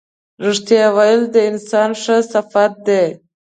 رښتیا ویل د انسان ښه صفت دی.